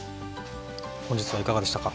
本日はいかがでしたか？